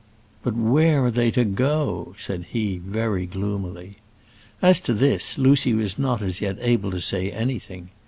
"But where are they to go?" said he, very gloomily. As to this Lucy was not as yet able to say anything.